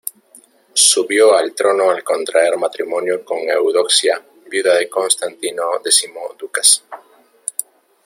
Subió al trono al contraer matrimonio con Eudoxia, viuda de Constantino X Ducas.